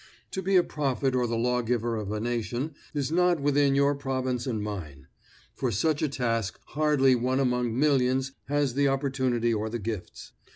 To be a prophet or the lawgiver of a nation is not within your province and mine. For such a task hardly one among millions has the opportunity or the gifts.